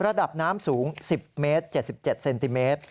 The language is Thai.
ระดับน้ำสูง๑๐เมตร๗๗เซนติเมตร